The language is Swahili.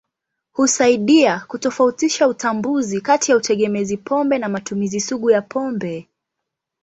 Husaidia kutofautisha utambuzi kati ya utegemezi pombe na matumizi sugu ya pombe.